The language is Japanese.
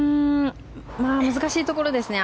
難しいところですね。